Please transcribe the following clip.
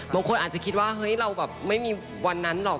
บางคนอาจจะคิดว่าเฮ้ยเราแบบไม่มีวันนั้นหรอก